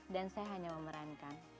dan saya hanya memerankan